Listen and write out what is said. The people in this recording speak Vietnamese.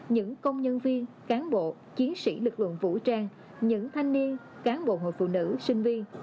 những công nhân viên cán bộ chiến sĩ lực lượng vũ trang những thanh niên cán bộ hội phụ nữ sinh viên